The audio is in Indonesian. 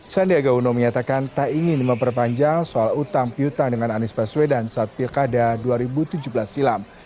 sandiaga uno menyatakan tak ingin memperpanjang soal utang piutang dengan anies baswedan saat pilkada dua ribu tujuh belas silam